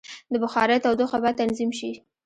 د بخارۍ تودوخه باید تنظیم شي.